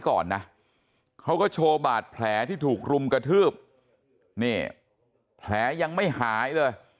ก่อนนะเขาก็โชว์บาดแผลที่ถูกรุมกระทืบนี่แผลยังไม่หายเลย